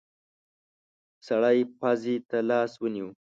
سړی پزې ته لاس ونيو.